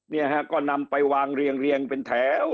เนี่ยฮะก็นำไปวางเรียงเป็นแถว